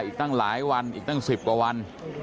อีกตั้งหลายวันอีกตั้ง๑๐กว่าวัน